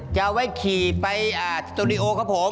จะเอาไว้ขี่ไปสตูดิโอครับผม